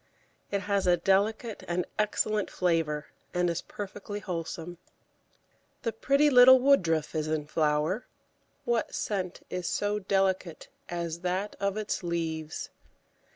It has a delicate and excellent flavour, and is perfectly wholesome. The pretty little Woodruff is in flower; what scent is so delicate as that of its leaves?